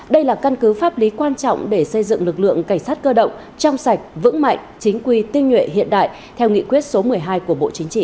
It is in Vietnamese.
đây là căn cứ pháp lý quan trọng để xây dựng lực lượng cảnh sát cơ động trong sạch vững mạnh chính quy tinh nhuệ hiện đại theo nghị quyết số một mươi hai của bộ chính trị